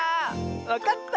わかった？